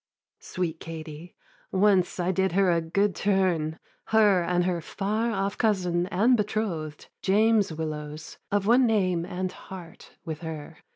'Sweet Katie, once I did her a good turn, Her and her far off cousin and betrothed, James Willows, of one name and heart with her.